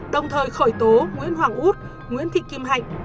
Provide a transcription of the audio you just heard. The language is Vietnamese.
đồng thời khởi tố nguyễn hoàng út nguyễn thị kim hạnh